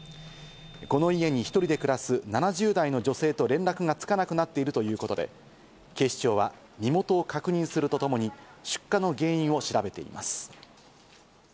この家に１人で暮らす７０代の女性と連絡がつかなくなっているということで、警視庁は身元を確認するとともに出火の原因を調べています。